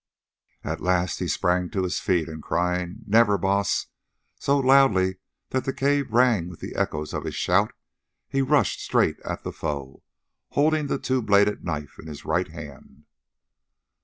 At last he sprang to his feet, and crying, "Never, Baas!" so loudly that the cave rang with the echoes of his shout, he rushed straight at the foe, holding the two bladed knife in his right hand.